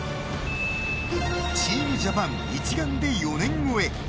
チームジャパン一丸で４年超え。